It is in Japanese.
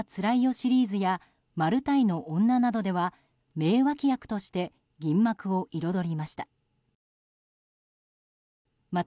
シリーズや「マルタイの女」などでは名脇役として銀幕を彩りました。